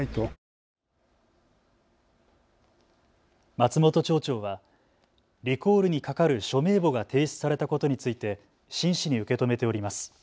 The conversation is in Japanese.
松本町長はリコールにかかる署名簿が提出されたことについて真摯に受け止めております。